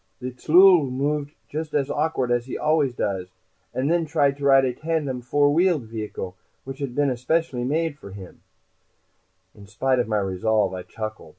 The tllooll moved just as awkward as he always does, and tried to ride a tandem four wheeled vehicle which had been especially for him made." In spite of my resolve, I chuckled.